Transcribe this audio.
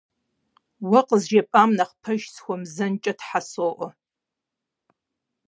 - Уэ къызжепӀам нэхъ пэж сыхуэмызэнкӀэ Тхьэ соӀуэ!